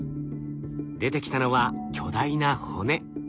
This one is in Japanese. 出てきたのは巨大な骨。